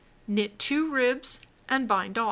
Knit 2 ribs, and bind off.